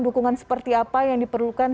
dukungan seperti apa yang diperlukan